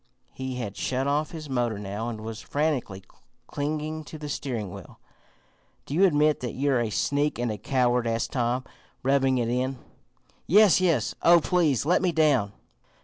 He had shut off his motor now, and was frantically clinging to the steering wheel. "Do you admit that you're a sneak and a coward?" asked Tom, "rubbing it in." "Yes, yes! Oh, please let me down!"